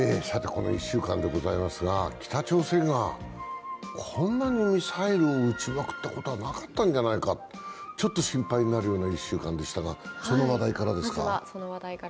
この１週間でございますが、北朝鮮がこんなにミサイルを撃ちまくったことはなかったんじゃないか、ちょっと心配になるような１週間でしたが、その話題からですか。